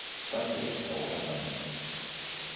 Danke, Frau Hermange.